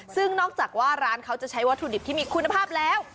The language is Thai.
ซึ่งนอกจากว่าร้านเขาจะใช้วัตถุดิบที่มีคุณภาพแล้ว